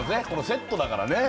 セットだからね